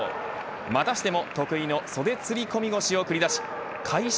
またしても得意の袖釣込腰を繰り出し開始